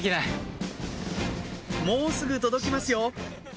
もうすぐ届きますよ